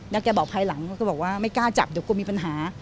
แล้วแกบอกภายหลังเขาก็บอกว่าไม่กล้าจับเดี๋ยวกูมีปัญหา